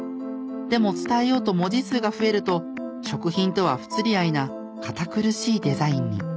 でも伝えようと文字数が増えると食品とは不釣り合いな堅苦しいデザインに。